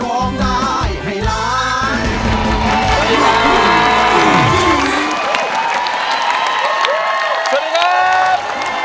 สวัสดีครับ